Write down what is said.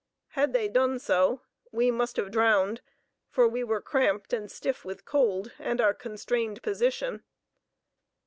Had they done so we must have drowned, for we were cramped and stiff with cold and our constrained position.